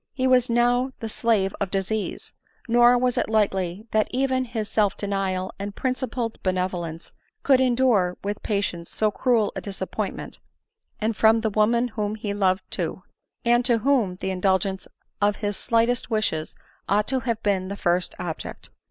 He was now the slave of disease, nor was it likely that even his self denial and principled benevolence could en dure with patience so cruel a disappointment — and from the woman whom he loved too !— and to whom the indul gence of his slightest wishes ought to have been the first object.